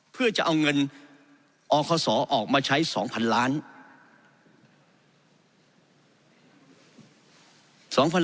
เพื่อจะเอาเงินอคศออกมาใช้๒๐๐๐ล้าน